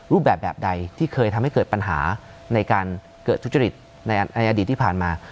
รูปแบบแบบใดที่เคยทำให้เกิดปัญหาในการเกิดทุจริตในอดีตที่ผ่านมา